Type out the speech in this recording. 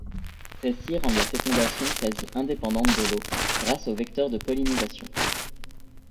Celles-ci rendent la fécondation quasi indépendante de l'eau grâce aux vecteurs de pollinisation.